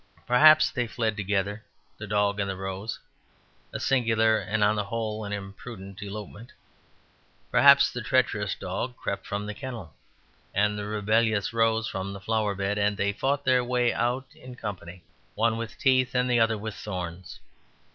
Perhaps they fled together, the dog and the rose: a singular and (on the whole) an imprudent elopement. Perhaps the treacherous dog crept from the kennel, and the rebellious rose from the flower bed, and they fought their way out in company, one with teeth and the other with thorns.